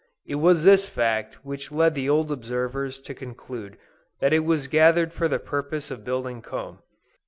It was this fact which led the old observers to conclude that it was gathered for the purpose of building comb.